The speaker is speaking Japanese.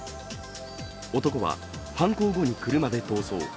男は犯行後に車で逃走。